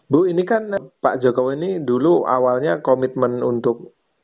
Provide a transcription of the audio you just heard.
bu ini kan pak jokowi ini dulu awalnya komitmen untuk